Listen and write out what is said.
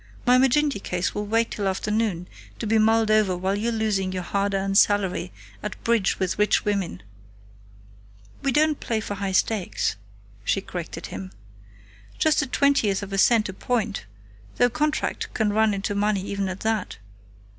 My Maginty case will wait till afternoon, to be mulled over while you're losing your hard earned salary at bridge with rich women." "We don't play for high stakes," she corrected him. "Just a twentieth of a cent a point, though contract can run into money even at that.